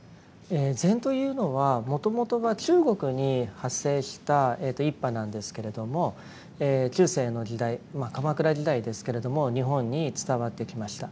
禅というのはもともとは中国に発生した一派なんですけれども中世の時代鎌倉時代ですけれども日本に伝わってきました。